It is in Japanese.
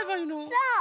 そう！